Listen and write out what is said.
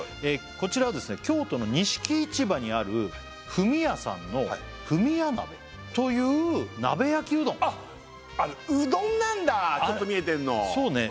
こちらは京都の錦市場にある冨美家さんの冨美家鍋という鍋焼きうどんあっうどんなんだちょっと見えてるのそうね